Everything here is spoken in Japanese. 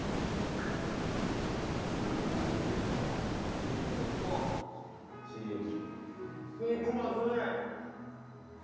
ＣＭですよ、ＣＭ。